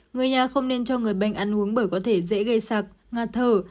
người nhà không nên cho người bệnh ăn uống bởi có thể dễ gây sạc ngạt thở